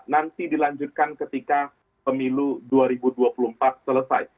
nanti dilanjutkan ketika pemilu dua ribu dua puluh empat selesai